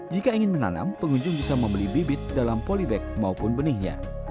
jika ingin menanam pengunjung bisa membeli bibit dalam polybag maupun benihnya